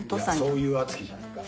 そういう敦貴じゃないか？